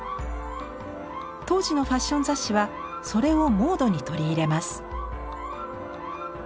当時のファッション雑誌はそれをモードに取り入れます。